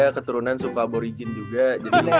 sitrah dua ratus ribu aja